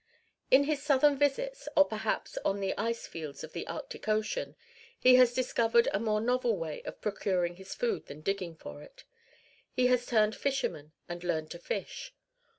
In his southern visits, or perhaps on the ice fields of the Arctic ocean, he has discovered a more novel way of procuring his food than digging for it. He has turned fisherman and learned to fish.